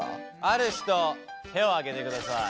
ある人手を挙げてください。